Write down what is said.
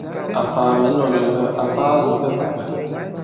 Àfaa mɛ̌ nɔ̄k lega, àfaa kìpɛ pùpɛ̀.